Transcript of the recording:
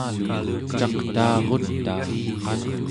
caqtaarutaa